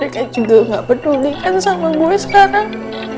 mereka juga gak peduli sama gue sekarang